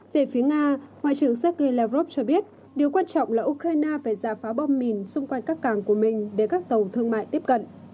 về phía nga ngoại trưởng sergei lavrov cho biết điều quan trọng là ukraine phải giả phá bom mìn xung quanh các cảng của mình để các tàu thương mại tiếp cận